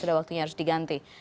sudah waktunya harus diganti